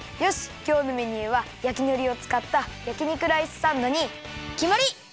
きょうのメニューは焼きのりをつかったやきにくライスサンドにきまり！